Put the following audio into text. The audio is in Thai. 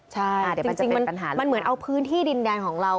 ใช่จริงมันเหมือนเอาพื้นที่ดินแดนของเรา